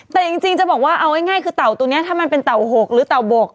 แต่จริงจะบอกว่าเอาง่ายคือเต่าตัวนี้ถ้ามันเป็นเต่า๖หรือเต่าบก